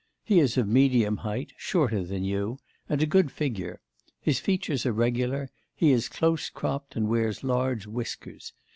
He is of medium height, shorter than you, and a good figure; his features are regular, he is close cropped, and wears large whiskers.